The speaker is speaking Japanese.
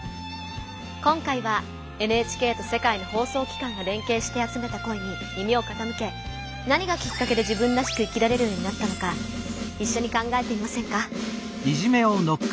今回はＮＨＫと世界の放送機関が連携してあつめた「声」に耳をかたむけ何がきっかけで自分らしく生きられるようになったのかいっしょに考えてみませんか？